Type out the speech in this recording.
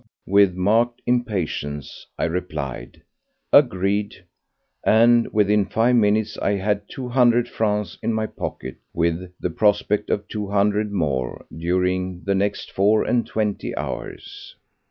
with marked impatience, I replied, "Agreed," and within five minutes I had two hundred francs in my pocket, with the prospect of two hundred more during the next four and twenty hours.